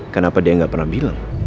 kenapa dia nggak pernah bilang